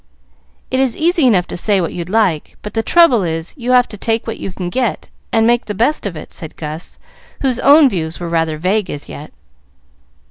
"It is easy enough to say what you'd like; but the trouble is, you have to take what you can get, and make the best of it," said Gus, whose own views were rather vague as yet.